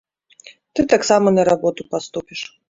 Ты таксама на работу паступіш.